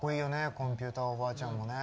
「コンピューターおばあちゃん」もね。